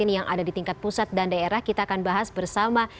yang ada di tingkat pusat dan daerah kita akan bahas bersama